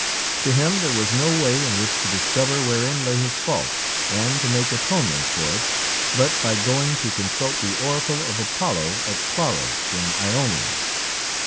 To him there was no way in which to discover wherein lay his fault, and to make atonement for it, but by going to consult the oracle of Apollo at Claros, in Ionia.